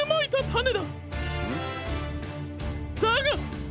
だが。